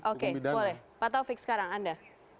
oke boleh pak taufik sekarang anda